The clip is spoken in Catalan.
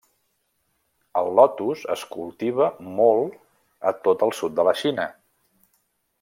El Lotus es cultiva molt a tot el sud de la Xina.